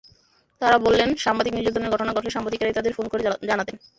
তাঁরা বলেছেন, সাংবাদিক নির্যাতনের ঘটনা ঘটলে সাংবাদিকেরাই তাঁদের ফোন করে জানাতেন।